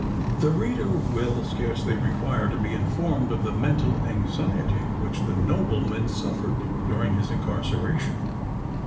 The reader will scarcely require to be informed of the mental anxiety which the nobleman suffered during his incarceration.